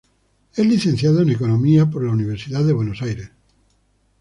Es licenciado en Economía en la Universidad de Buenos Aires.